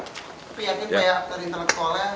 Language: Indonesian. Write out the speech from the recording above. tapi yakin kayak tadi terlalu tolnya